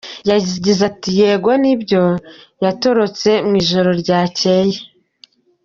Yagize ati “Yego nibyo yatorotse mu ijoro ryacyeye.